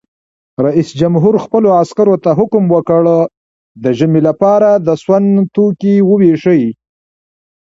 رئیس جمهور خپلو عسکرو ته امر وکړ؛ د ژمي لپاره د سون توکي وویشئ!